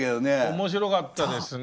面白かったですね。